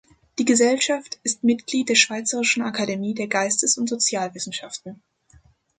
Die Gesellschaft ist Mitglied der Schweizerischen Akademie der Geistes- und Sozialwissenschaften.